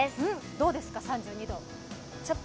どうですか、３２度。